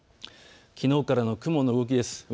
きのうからの雲の動きです。